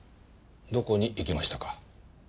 どこに行きましたか？